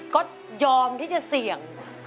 ก็ยอมที่จะเสี่ยง